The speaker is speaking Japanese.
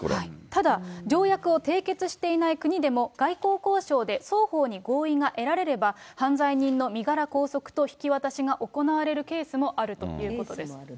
ただ、条約を締結していない国でも、外交交渉で双方に合意が得られれば、犯罪人の身柄拘束と引き渡しが行われるケースもあるということです。